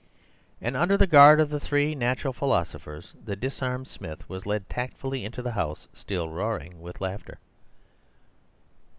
And under the guard of the three natural philosophers the disarmed Smith was led tactfully into the house, still roaring with laughter.